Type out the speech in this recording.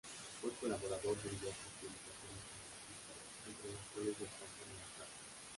Fue colaborador de diversas publicaciones anarquistas, entre los cuales destacan ¡Libertad!